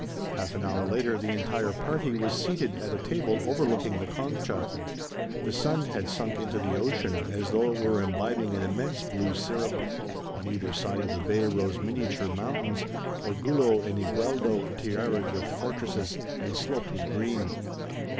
Half an hour later the entire party were seated at a table overlooking the Concha. The sun had sunk into the ocean as though it were imbibing an immense blue syrup. On either side of the bay rose miniature mountains, Orgullo and Igueldo tiara'd with fortresses and sloped with green.